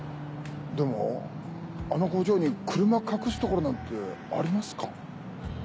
でもあの工場に車隠すところなんてありますか？